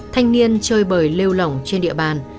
thanh niên chơi bời lêu lỏng trên địa bàn